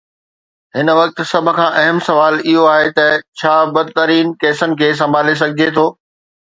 هن وقت سڀ کان اهم سوال اهو آهي ته ڇا بدترين ڪيسن کي سنڀالي سگهجي ٿو.